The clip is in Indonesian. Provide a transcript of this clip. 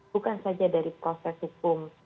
bukan saja dari proses hukum